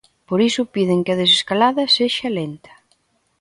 Por iso piden que a desescalada sexa lenta.